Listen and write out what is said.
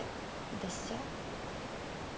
私じゃ。